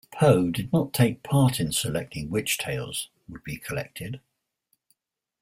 Poe did not take part in selecting which tales would be collected.